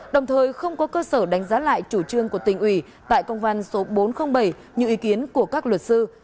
đồng thời không có cơ sở đánh giá lại chủ trương của tỉnh ủy tại công văn số bốn trăm linh bảy như ý kiến của các luật sư